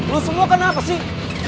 lo semua kenapa sih